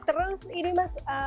terus ini mas